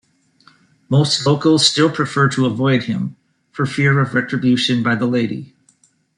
Most locals still prefer to avoid him, for fear of retribution by the Lady.